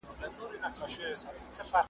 لېونتوب یم راوستلی زولانې چي هېر مه نه کې .